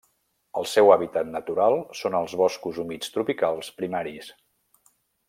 El seu hàbitat natural són els boscos humits tropicals primaris.